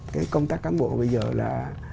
cái công tác cán bộ bây giờ là